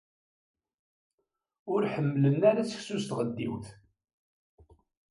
Ur ḥemmlen ara seksu s tɣeddiwt.